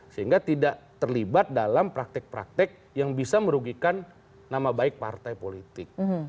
sehingga tidak terlibat dalam praktek praktek yang bisa merugikan nama baik partai politik